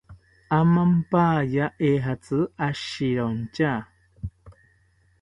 Amampaya ejatzi ashirontya